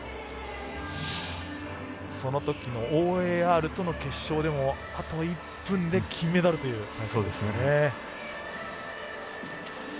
そのときのＯＡＲとの決勝でもあと１分で金メダルという。